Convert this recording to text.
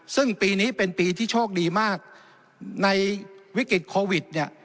ซึ่งปีนี้เป็นปีที่โชคดีมากในวิกฤตโควิดเนี่ย